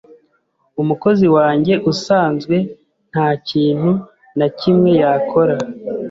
Umukozi wanjye usanzwe ntakintu nakimwe yakora.